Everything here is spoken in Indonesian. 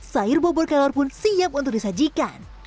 sayur bobor kelor pun siap untuk disajikan